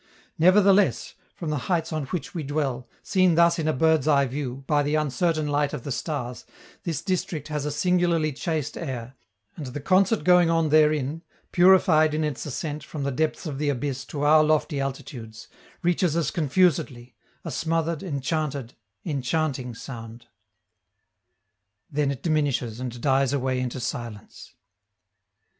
Nevertheless, from the heights on which we dwell, seen thus in a bird's eye view, by the uncertain light of the stars, this district has a singularly chaste air, and the concert going on therein, purified in its ascent from the depths of the abyss to our lofty altitudes, reaches us confusedly, a smothered, enchanted, enchanting sound. Then it diminishes, and dies away into silence.